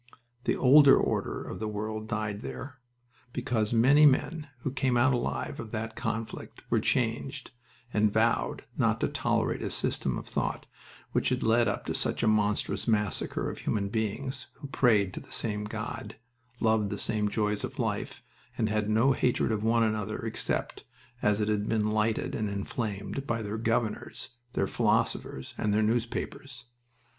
The Old Order of the world died there, because many men who came alive out of that conflict were changed, and vowed not to tolerate a system of thought which had led up to such a monstrous massacre of human beings who prayed to the same God, loved the same joys of life, and had no hatred of one another except as it had been lighted and inflamed by their governors, their philosophers, and their newspapers.